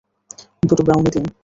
দুটো ব্রাউনি দিন।